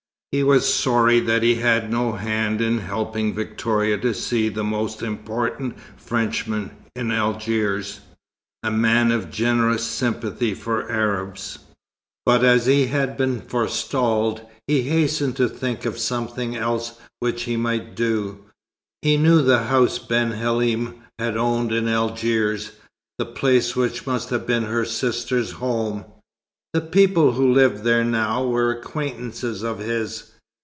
He was sorry that he had had no hand in helping Victoria to see the most important Frenchman in Algiers, a man of generous sympathy for Arabs; but as he had been forestalled, he hastened to think of something else which he might do. He knew the house Ben Halim had owned in Algiers, the place which must have been her sister's home. The people who lived there now were acquaintances of his.